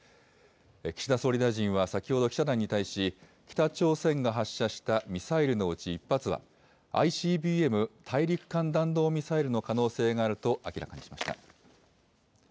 岸田総理大臣は先ほど記者団に対し、北朝鮮が発射したミサイルのうち１発は、ＩＣＢＭ・大陸間弾道ミサイルの可能性があると明らかにしました。